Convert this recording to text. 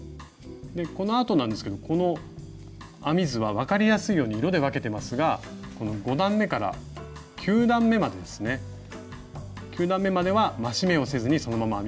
このあとなんですけどこの編み図は分かりやすいように色で分けてますが５段めから９段めまでは増し目をせずにそのまま編みます。